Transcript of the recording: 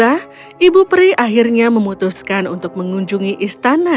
aku merasa sangat senang dihubungi kamu